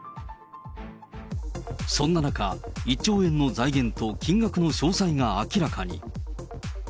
そんな中、１兆円の財源と金額の詳細が明らかに。